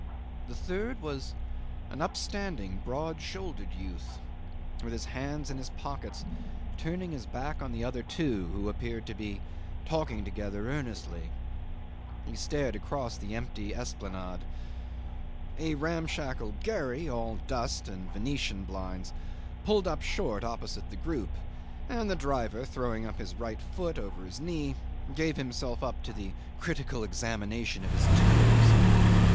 The third was an upstanding, broad shouldered youth, with his hands in his pockets, turning his back on the other two who appeared to be talking together earnestly. He stared across the empty Esplanade. A ramshackle gharry, all dust and venetian blinds, pulled up short opposite the group, and the driver, throwing up his right foot over his knee, gave himself up to the critical examination of his toes.